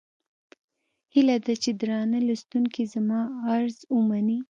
هيله ده چې درانه لوستونکي زما عرض ومني.